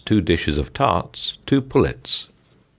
Two dishes of tarts. Goose. Two pullets.